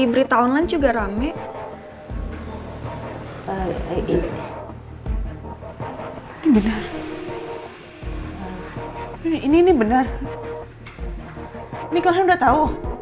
enggak ini deh